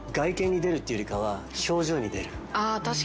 あ確かに。